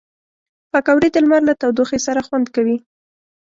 پکورې د لمر له تودوخې سره خوند کوي